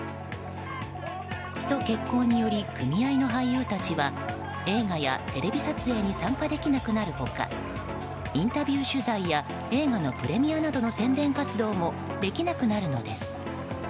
スト決行により組合の俳優たちは映画やテレビ撮影に参加できなくなる他インタビュー取材や映画のプレミアなどの宣伝活動もできなくなるのです。